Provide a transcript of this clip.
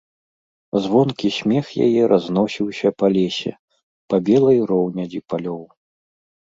Звонкі смех яе разносіўся па лесе, па белай роўнядзі палёў.